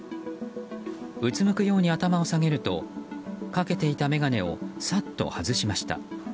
うつむくように頭を下げるとかけていた眼鏡をさっと外しました。